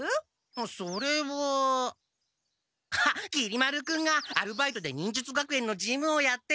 あっそれはきり丸君がアルバイトで忍術学園の事務をやってよ！